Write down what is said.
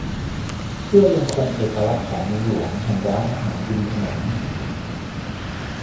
เพื่อยังคงเอกลักษณ์ของเมืองหลวงแห่งร้านอาหารริมถนน